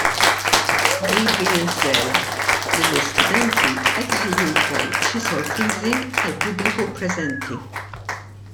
Gabriel żvela li l-istudenti qed iħejju wkoll xi sorpriżi għall-pubbliku preżenti.